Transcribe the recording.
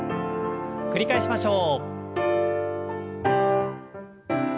繰り返しましょう。